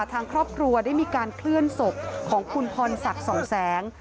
ทางครอบครัวได้มีการเคลื่อนศพของคุณพรศักดิ์สองแสง